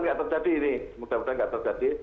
tidak terjadi ini mudah mudahan tidak terjadi